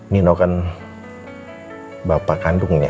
nino kan bapak kandungnya